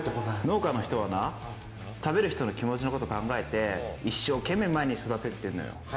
農家の人はな、食べる人の気持ちを考えて一生懸命、毎日、育ててるのよ。